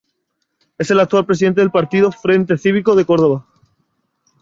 Es el actual presidente del partido Frente Cívico de Córdoba.